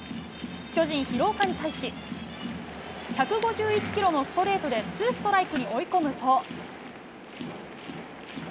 巨人、廣岡に対し、１５１キロのストレートで、ツーストライクに追い込むと。